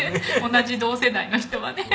同じ同世代の人はね。